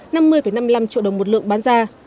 năm mươi năm mươi năm triệu đồng một lượng bán ra